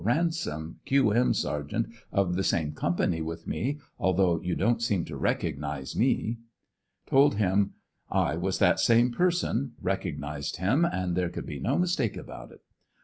Ransom, Q. M Sergt. of the same Co. with me, although you don't seem to recognize me." Told him ''I was that same person, recognized him and there could be no mistake about it."